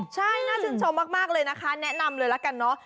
ใช่น่าชื่นชมมากเลยนะคะแนะนำเลยละกันเนอะ